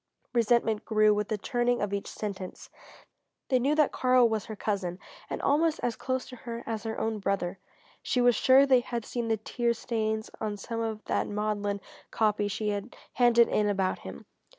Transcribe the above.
Resentment grew with the turning of each sentence. They knew that Karl was her cousin, and almost as close to her as her own brother. She was sure they had seen the tear stains on some of that maudlin copy she had handed in about him.